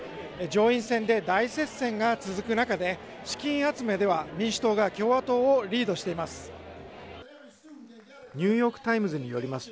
上院選で大接戦が続く中で、資金集めでは民主党が共和党をリードしています。